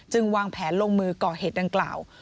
วางแผนลงมือก่อเหตุดังกล่าว